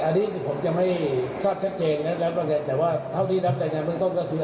อันนี้ผมจะไม่ทราบชัดเจนนะย้ำแต่ว่าเท่าที่นับรายงานเบื้องต้นก็คือ